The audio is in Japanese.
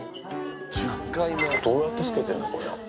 どうやってつけてんの、これ。